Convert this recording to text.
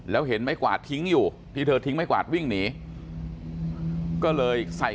แล้วเห็นไม้กวาดทิ้งอยู่ที่เธอทิ้งไม้กวาดวิ่งหนีก็เลยใส่